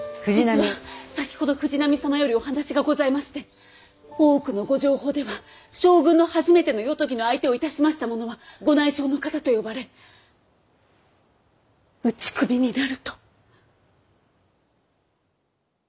実は先ほど藤波様よりお話がございまして大奥のご定法では将軍の初めての夜伽の相手をいたしました者はご内証の方と呼ばれ打ち首になると。